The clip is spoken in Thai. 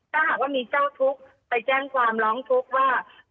ถ้าหากว่ามีเจ้าทุกข์ไปแจ้งความร้องทุกข์ว่า